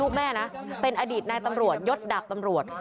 แม่นะเป็นอดีตนายตำรวจยศดาบตำรวจ